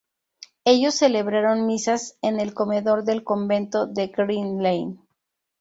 Ellos celebraron misas en el comedor del convento de Green Lane.